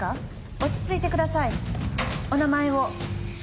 落ち着いてくださいお名前を。